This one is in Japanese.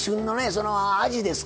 そのあじですか。